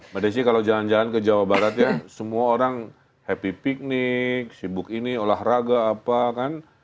mbak desi kalau jalan jalan ke jawa barat ya semua orang happy piknik sibuk ini olahraga apa kan